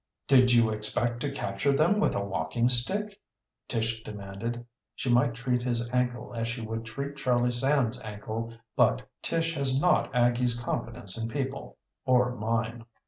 "Did you expect to capture them with a walking stick?" Tish demanded. She might treat his ankle as she would treat Charlie Sands' ankle, but Tish has not Aggie's confidence in people, or mine.